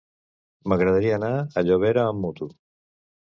M'agradaria anar a Llobera amb moto.